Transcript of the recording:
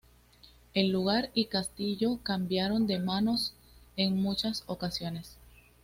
El lugar y castillo cambiaron de manos en muchas ocasiones.